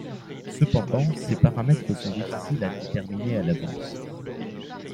Cependant, ces paramètres sont difficiles à déterminer à l'avance.